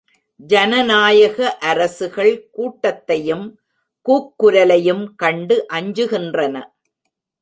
ஜனநாயக அரசுகள் கூட்டத்தையும் கூக் குரலையும் கண்டு அஞ்சுகின்றன.